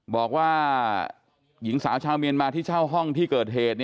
บอกว่าหญิงสาวชาวเมียนมาที่เช่าห้องที่เกิดเหตุ